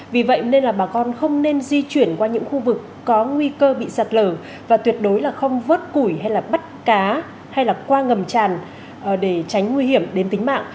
vì vậy nên là bà con không nên di chuyển qua những khu vực có nguy cơ bị sạt lở và tuyệt đối là không vớt củi hay là bắt cá hay là qua ngầm tràn để tránh nguy hiểm đến tính mạng